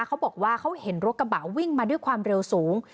เขาบอกว่าเขาเห็นรถกระบะวิ่งมาด้วยความเร็วสูง